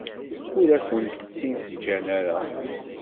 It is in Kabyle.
Ur akent-tt-id-ǧǧan ara.